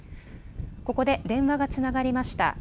ここで電話がつながりました。